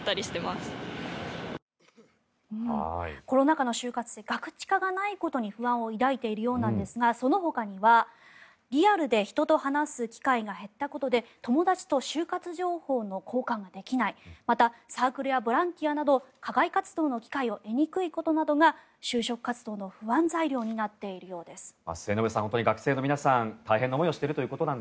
コロナ禍の就活生は「ガクチカ」がないことに不安を抱いているようなんですがそのほかにはリアルで人と話す機会が減ったことで友達と就活情報の交換ができないまた、サークルやボランティアなど課外活動の機会を得にくいことなどが就職活動の不安材料になっているようです。